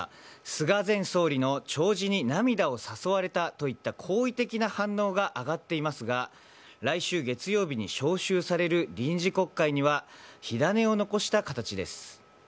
菅前総理の弔辞に涙を誘われたといった好意的な反応が上がっていますが来週月曜日に召集される臨時国会では火種を残した形です。